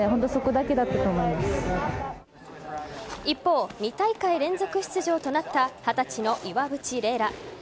一方、２大会連続出場となった二十歳の岩渕麗楽。